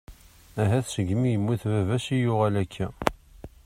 Ahat segmi i yemmut baba-s i yuɣal akka.